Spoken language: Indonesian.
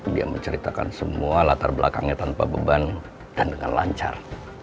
dia menceritakan semua latar belakangnya tanpa beban dan dengan lancar